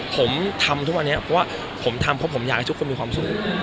ผมทำทุกวันนี้เพราะว่าผมทำเพราะผมอยากให้ทุกคนมีความสุข